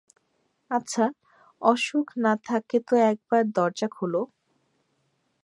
আচ্ছা, অসুখ না থাকে তো একবার দরজা খোলো।